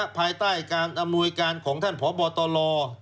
ภายใต้การอำนวยการของท่านพบตล